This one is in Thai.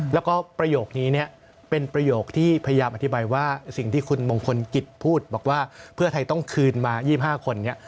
แล้วก็ประโยคนี้เนี่ยเป็นประโยคที่พยายามอธิบายว่าสิ่งที่คุณมงคลกิจพูดบอกว่าเพื่อไทยต้องคืนมา๒๕คนเนี่ย